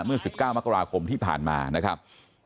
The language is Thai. เมื่อ๑๙มกราคมที่ผ่านมานะครับ